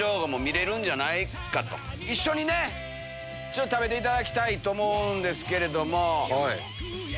一緒にね食べていただきたいと思うんですけれども。